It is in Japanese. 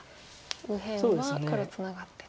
右辺は黒ツナがってと。